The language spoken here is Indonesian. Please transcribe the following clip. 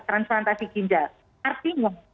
transplantasi ginjal artinya